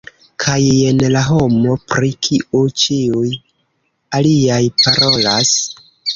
Kaj jen la homo pri kiu ĉiuj aliaj parolas.